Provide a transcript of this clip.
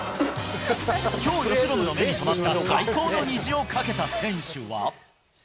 きょう、由伸の目に留まった最高の虹を架けた選手は。